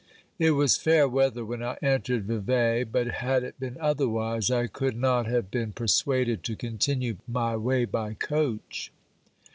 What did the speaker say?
It was fair weather when I entered Vevey, but had it been otherwise, I could not have been per suaded to continue my way by coach.